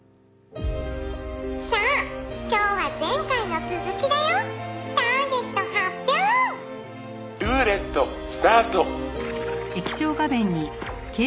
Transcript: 「さあ今日は前回の続きだよ。ターゲット発表！」「ルーレットスタート！」